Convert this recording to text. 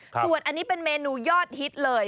ส่วนอันนี้เป็นเมนูยอดฮิตเลย